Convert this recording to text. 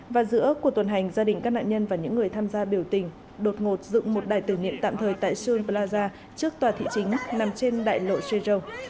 và giữa cuộc tuần hành gia đình các nạn nhân và những người tham gia biểu tình đột ngột dựng một đài tưởng niệm tạm thời tại seoul plaza trước tòa thị chính nằm trên đại lộ sejejow